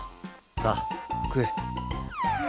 さあ食え。